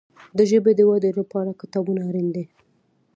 د ژبي د ودي لپاره کتابونه اړین دي.